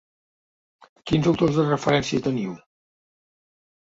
Quins autors de referència teniu?